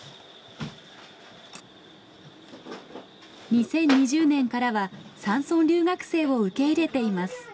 ２０２０年からは山村留学生を受け入れています。